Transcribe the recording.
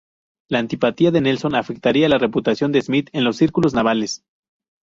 La antipatía de Nelson afectaría la reputación de Smith en los círculos navales.